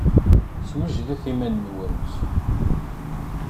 Swejdet iman-nwent.